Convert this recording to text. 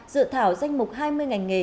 dự thảo danh mục hai mươi ngành nghề